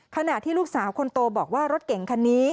ขณะที่ลูกสาวคนโตบอกว่ารถเก่งคันนี้